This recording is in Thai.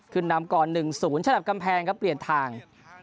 ขึ้นนำก่อนหนึ่งศูนย์ฉลับกำแพงครับเปลี่ยนทาง